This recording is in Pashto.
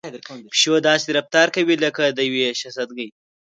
پيشو داسې رفتار کوي لکه د يوې شهزادګۍ.